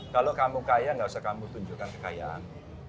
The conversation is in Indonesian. kalau kamu kaya gak usah kamu tunjukkan kekayaan